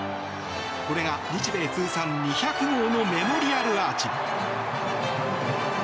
これが日米通算２００号のメモリアルアーチ。